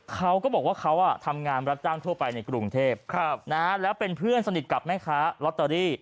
เขาก็บอกว่าเขาทำงานรับจ้างทั่วไปในกรุงเทพแล้วเป็นเพื่อนสนิทกับแม่ค้าลอตเตอรี่